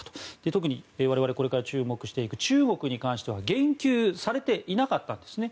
特に我々これから注目していく中国に関しては言及されていなかったんですね。